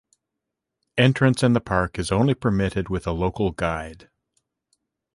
Entrance in the park is only permitted with a local guide.